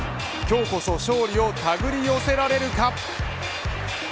今日こそ勝利を手繰り寄せられるか。